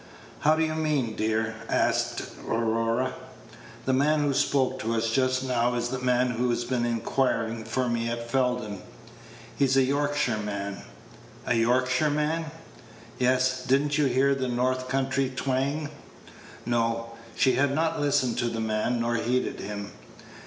"How do you mean, dear?" asked Aurora. "The man who spoke to us just now is the man who has been inquiring for me at Felden. He's a Yorkshireman." "A Yorkshireman!" "Yes; did n't you hear the North country twang?" No; she had not listened to the man, nor heeded him.